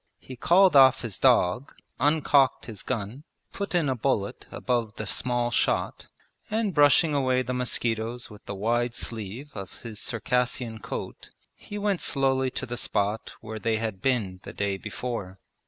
He called off his dog, uncocked his gun, put in a bullet above the small shot, and brushing away the mosquitoes with the wide sleeve of his Circassian coat he went slowly to the spot where they had been the day before.